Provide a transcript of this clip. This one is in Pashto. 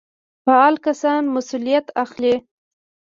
فعال کس مسوليت اخلي.